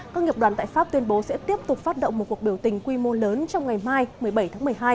các nghiệp đoàn tại pháp tuyên bố sẽ tiếp tục phát động một cuộc biểu tình quy mô lớn trong ngày mai một mươi bảy tháng một mươi hai